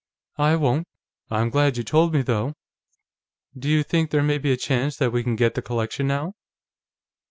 "I won't. I'm glad you told me, though.... Do you think there may be a chance that we can get the collection, now?"